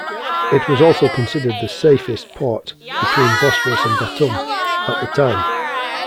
It was also considered the "safest" port "between Bosphorus and Batum," at the time.